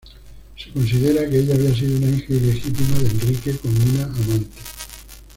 Se considera que ella había sido una hija ilegítima de Enrique con una amante.